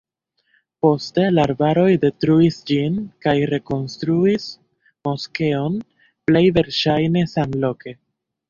Poste la araboj detruis ĝin kaj rekonstruis moskeon plej verŝajne samloke.